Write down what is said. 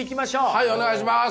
はいお願いします！